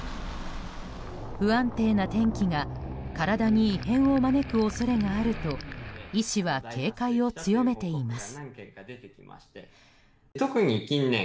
不安定な天気が体に異変を招く恐れがあると医師は警戒を強めています。